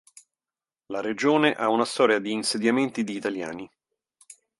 La regione ha una storia di insediamenti di Italiani.